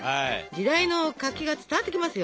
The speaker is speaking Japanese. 時代の活気が伝わってきますよ。